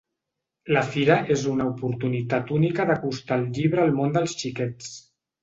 La fira és una oportunitat única d’acostar el llibre al món dels xiquets.